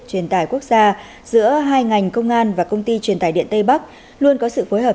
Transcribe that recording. truyền tải quốc gia giữa hai ngành công an và công ty truyền tài điện tây bắc luôn có sự phối hợp